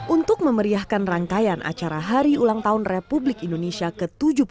untuk memeriahkan rangkaian acara hari ulang tahun republik indonesia ke tujuh puluh tiga